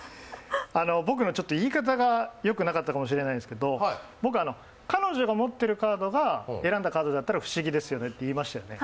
僕の言い方がよくなかったかもしれないですけど、僕は、彼女が持っているカードが選んだカードだったら不思議ですと言いましたよね。